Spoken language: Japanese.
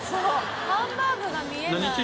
ハンバーグが見えない。